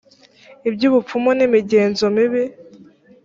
ibyubupfumu nimigenzo mibi.